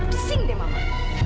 pesing deh mama